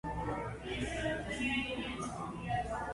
Es centro administrativo del distrito.